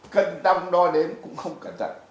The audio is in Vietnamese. cân tâm đo đến cũng không cản trận